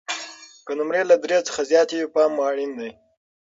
که نمرې له درې څخه زیاتې وي، پام مو اړین دی.